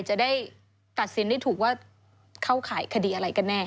จะได้ตัดสินได้ถูกว่าเข้าข่ายคดีอะไรกันแน่